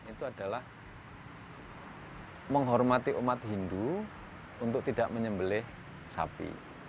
itu adalah menghormati umat hindu untuk tidak menyembelih sapi